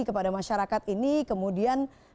kepada masyarakat ini kemudian